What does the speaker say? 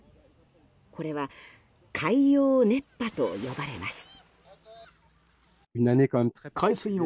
これは海洋熱波と呼ばれます。